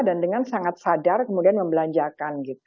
dan dengan sangat sadar kemudian membelanjakan gitu